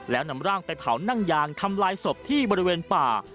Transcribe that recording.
แล้วนำร่างไปเผานั่งยางทำลายศพที่บริเวณป่า